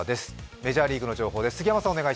メジャーリーグの情報です。